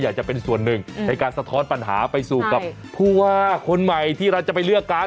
อยากจะเป็นส่วนหนึ่งในการสะท้อนปัญหาไปสู่กับผู้ว่าคนใหม่ที่เราจะไปเลือกกัน